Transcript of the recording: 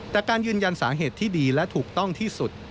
แต่การยืนยันสาเหตุที่ดีและถูกต้องที่สุด